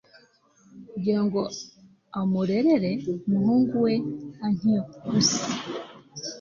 kugira ngo amurerere umuhungu we antiyokusi